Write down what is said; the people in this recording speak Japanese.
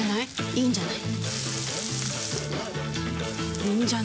いいんじゃない？